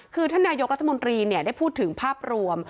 คือท่านนายกรัฐมนตรีได้พูดถึงภาพรวม